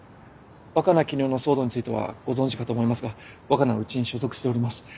若菜絹代の騒動についてはご存じかと思いますが若菜はうちに所属しております。